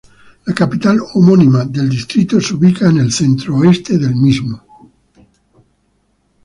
La capital homónima del distrito se ubica en el centro-oeste del mismo.